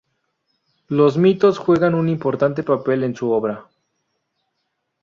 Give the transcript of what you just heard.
Los mitos juegan un importante papel en su obra.